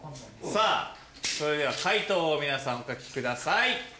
さあそれでは解答を皆さんお書きください。